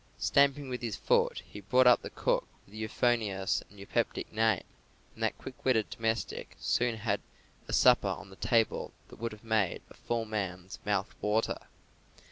Stamping with his foot, he brought up the cook with the euphonious and eupeptic name, and that quick witted domestic soon had a supper on the table that would have made a full man's mouth water.